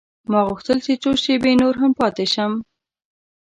ما غوښتل چې څو شپې نور هم پاته شم.